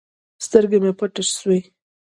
سترګې مې پټې سوې.